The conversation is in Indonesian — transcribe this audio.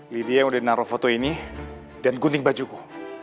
lydia yang udah naruh foto ini dan gunting bajuku